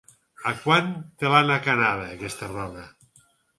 A quant te l'han acanada, aquesta roba?